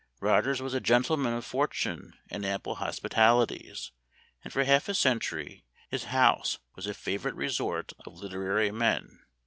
. Rogers was a gentleman of fortune and ample hospitalities, and for half a century his house was a favorite resort of literary men.